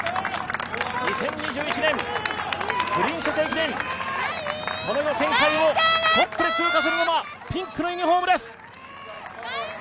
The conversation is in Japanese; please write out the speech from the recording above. ２０２１年「プリンセス駅伝」、この予選会をトップで通過するのはピンクのユニフォームです。